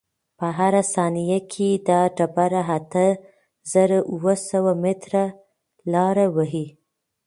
په هره ثانیه کې دا ډبره اته زره اوه سوه متره لاره وهي.